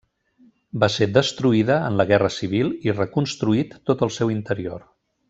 Va ser destruïda en la guerra civil i reconstruït tot el seu interior.